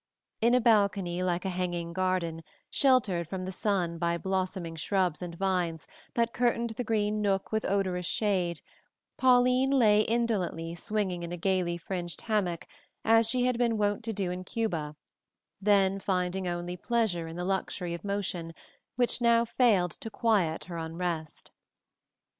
In a balcony like a hanging garden, sheltered from the sun by blossoming shrubs and vines that curtained the green nook with odorous shade, Pauline lay indolently swinging in a gaily fringed hammock as she had been wont to do in Cuba, then finding only pleasure in the luxury of motion which now failed to quiet her unrest.